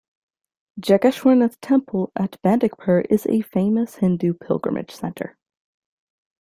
Jageshwarnath temple at Bandakpur is a famous Hindu pilgrimage center.